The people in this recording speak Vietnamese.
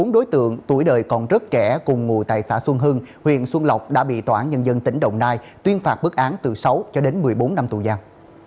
bốn đối tượng tuổi đời còn rất trẻ cùng ngụ tại xã xuân hưng huyện xuân lộc đã bị tòa án nhân dân tỉnh đồng nai tuyên phạt bức án từ sáu cho đến một mươi bốn năm tù giam